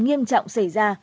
nghiêm trọng xảy ra